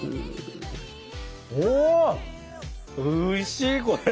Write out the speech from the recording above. おおいしいこれ。